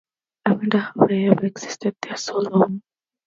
I wonder how I ever existed there so long.